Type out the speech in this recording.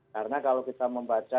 karena kalau kita membaca